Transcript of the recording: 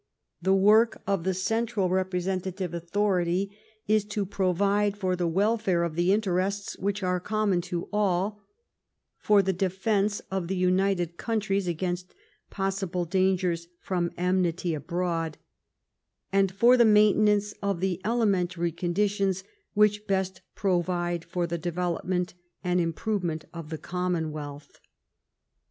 The work of the central repre sentative authority is to provide for the welfare of the interests which are common to all, for the defence of the united countries against possible dangers from enmity abroad, and for the maintenance of the element ary conditions which best provide for the development and improvement of the commonwealth.